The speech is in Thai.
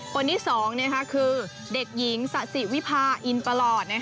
คนที่๒คือเด็กหญิงสะสิวิพาอินประหลอด